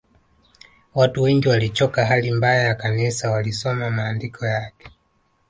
Watu wengi waliochoka hali mbaya ya Kanisa walisoma maandiko yake